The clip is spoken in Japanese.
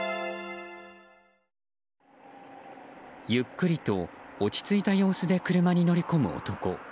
ゆっくりと落ち着いた様子で車に乗り込む男。